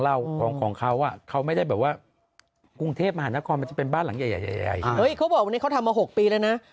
เย้เขาบอกว่าวันนี้เขาทำมา๖ปีแล้วนะ